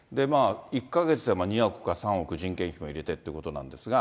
１か月で２億か３億、人件費も入れてってことなんですが。